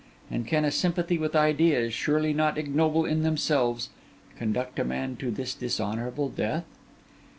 And can a sympathy with ideas, surely not ignoble in themselves, conduct a man to this dishonourable death?